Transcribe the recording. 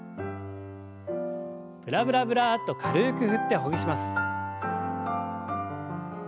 ブラブラブラッと軽く振ってほぐします。